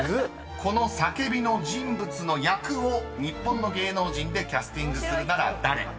［この『叫び』の人物の役を日本の芸能人でキャスティングするなら誰？］